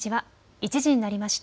１時になりました。